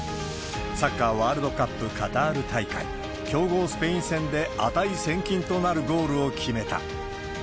サッカーワールドカップカタール大会、強豪スペイン戦で、値千金となるゴールを決めた。